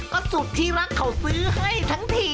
ก็สุดที่รักเขาซื้อให้ทั้งที